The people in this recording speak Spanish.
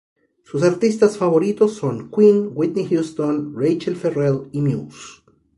Sus artistas favoritos son Queen, Whitney Houston, Rachelle Ferrell, y Muse.